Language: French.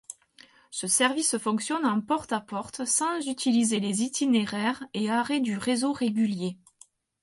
Ce service fonctionne en porte-à-porte, sans utiliser les itinéraires et arrêts du réseau régulier.